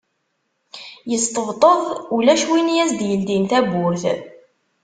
Yesṭebṭeb ulac win i as-d-yeldin tawwurt.